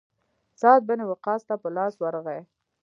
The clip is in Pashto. سعد بن وقاص ته په لاس ورغی.